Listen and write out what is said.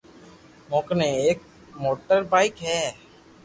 مون ڪني ايڪ موٽر بائيڪ ھي